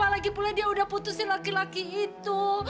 lagi lagi dia udah putusin laki laki itu